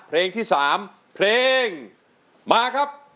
เพลงที่๓เพลงมาครับ